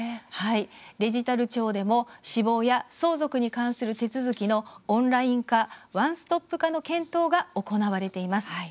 デジタル庁でも、死亡や相続に関する手続きのオンライン化ワンストップ化の検討が行われています。